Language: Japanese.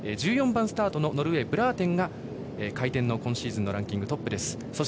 １４番スタートのノルウェー、ブラーテンがランキングトップです。